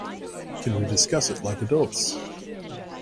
Can we discuss it like adults?